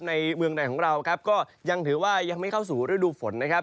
ในเมืองใดของเราครับก็ยังถือว่ายังไม่เข้าสู่ฤดูฝนนะครับ